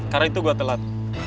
karena itu gue telat